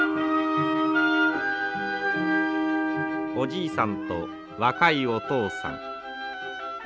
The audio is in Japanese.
おじいさんと若いお父さん。